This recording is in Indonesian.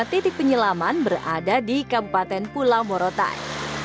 dua puluh lima titik penyelaman berada di kabupaten pulau morotai